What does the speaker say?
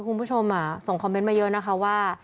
คุณผู้ชมส่งคอมเมนต์มาเยอะนะคะว่า